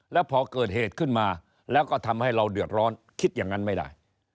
แล้วพอเกิดเหตุขึ้นมาแล้วก็ทำให้เราเดือดร้อนคิดอย่างนั้นไม่ได้